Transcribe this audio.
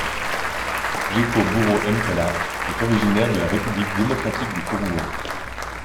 Geco Bouro Mpela est originaire de la République démocratique du Congo.